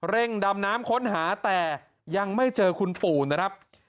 เร่งดำน้ำค้นหาแต่ยังไม่เจอคุณปู่นะครับ